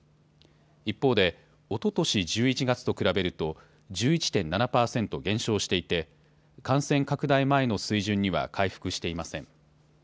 一方でおととし１１月と比べると１１．７％減少していて感染拡大前の水準には回復していません。